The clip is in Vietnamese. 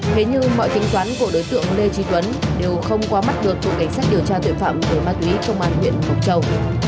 thế nhưng mọi kính toán của đối tượng lê trí tuấn đều không qua mắt được cộng cảnh sát điều tra tội phạm của ma túy công an huyện mộc châu